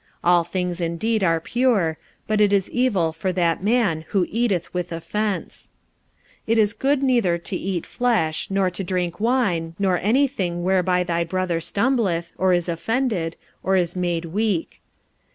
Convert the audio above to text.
All things indeed are pure; but it is evil for that man who eateth with offence. 45:014:021 It is good neither to eat flesh, nor to drink wine, nor any thing whereby thy brother stumbleth, or is offended, or is made weak.